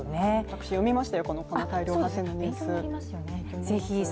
私読みましたよ、この大量発生のニュース。